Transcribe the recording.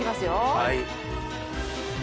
はい。